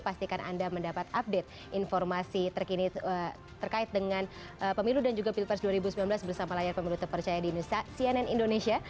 pastikan anda mendapat update informasi terkini terkait dengan pemilu dan juga pilpres dua ribu sembilan belas bersama layar pemilu terpercaya di cnn indonesia